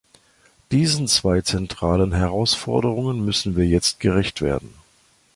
Diesen zwei zentralen Herausforderungen müssen wir jetzt gerecht werden.